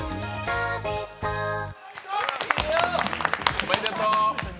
おめでとう！